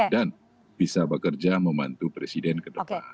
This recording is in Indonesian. dan bisa bekerja membantu presiden kedepan